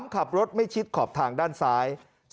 ขับรถไม่ชิดขอบทางด้านซ้าย